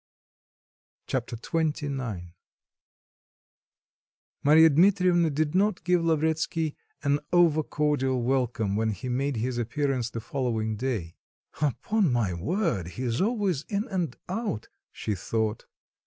Chapter XXIX Marya Dmitrievna did not give Lavretsky an over cordial welcome when he made his appearance the following day. "Upon my word, he's always in and out," she thought.